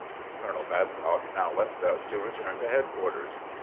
Colonel Babcock now left us to return to headquarters.